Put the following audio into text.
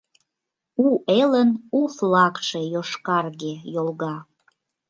У элын у флагше, йошкарге, йолга!